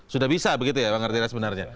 sudah bisa begitu ya